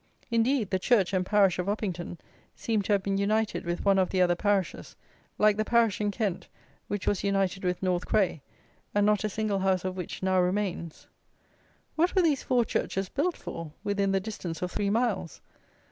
Indeed, the church and parish of Uppington seem to have been united with one of the other parishes, like the parish in Kent which was united with North Cray, and not a single house of which now remains. What were these four churches built for within the distance of three miles?